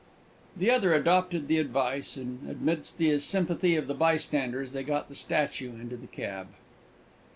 The other adopted the advice, and, amidst the sympathy of the bystanders, they got the statue into the cab.